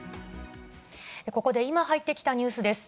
ここで今入ってきたニュースです。